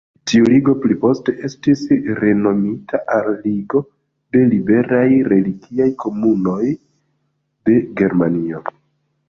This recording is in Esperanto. Tiu ligo pli poste estis renomita al "Ligo de Liberaj Religiaj Komunumoj de Germanio".